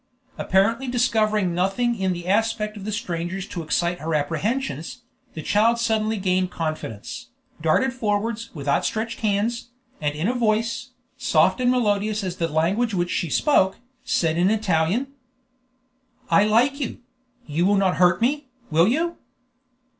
Apparently discovering nothing in the aspect of the strangers to excite her apprehensions, the child suddenly gained confidence, darted forwards with outstretched hands, and in a voice, soft and melodious as the language which she spoke, said in Italian: "I like you; you will not hurt me, will you?"